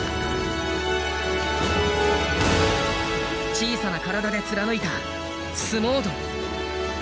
小さな体で貫いた相撲道。